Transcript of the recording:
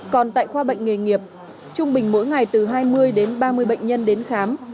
còn tại khoa bệnh nghề nghiệp trung bình mỗi ngày từ hai mươi đến ba mươi bệnh nhân đến khám